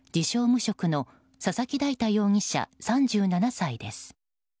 無職の佐々木大太容疑者、３７歳です。